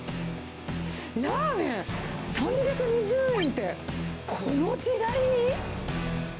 ラーメン、３２０円って、この時代に？